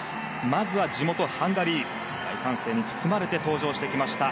まずは地元ハンガリー大歓声に包まれて登場してきました。